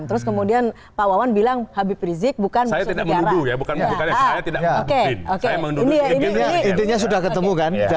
terus kemudian pak wawan bilang habib rizieq bukan musuh negara